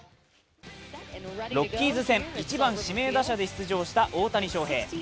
ロッキーズ戦、１番・指名打者で出場した大谷翔平。